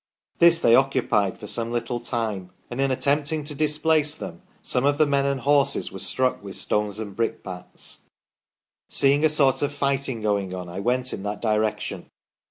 This they occupied for some little time, and in attempting to displace them some of the men and horses were struck with stones and brickbats. Seeing a sort of fighting going on, I went in that direction.